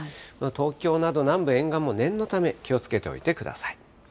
東京など南部沿岸も念のため、気をつけておいてください。